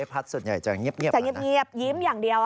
เจ๊พัดส่วนใหญ่จะเงียบอย่างเดียว